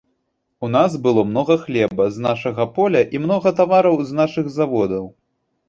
У нас было многа хлеба з нашага поля і многа тавараў з нашых заводаў.